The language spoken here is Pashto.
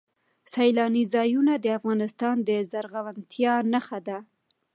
سیلانی ځایونه د افغانستان د زرغونتیا نښه ده.